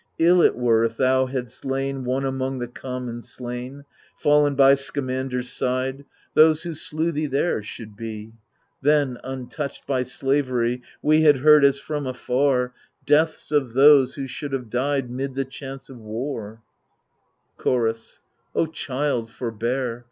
Ill it were if thou hadst lain One among the conunon slain, Fallen by Scamander's side — Those who slew thee there should be !^ Then, untouched by slavery. We had heard as from afar Deaths of those who should have died 'Mid the chance of war. Chorus O child, forbear